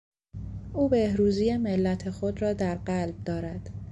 او بهروزی ملت خود را در قلب دارد.